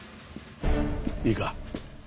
いいか？